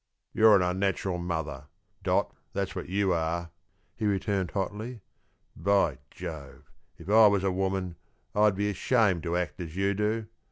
"You're an unnatural mother, Dot, that's what you are," he returned hotly. "By Jove, if I was a woman, I'd be ashamed to act as you do.